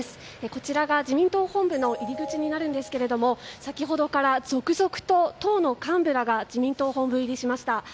こちらが自民党本部の入り口になるんですが先ほどから続々と党の幹部らが自民党本部入りしました。